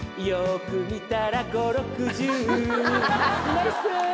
ナイス！